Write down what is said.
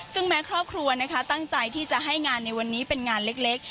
ซึ่งแม้ครอบครัวนะคะตั้งใจที่จะให้งานในวันนี้เป็นงานเล็ก